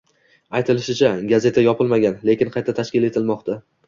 Aytilishicha, gazeta yopilmagan, lekin qayta tashkil etilmoqda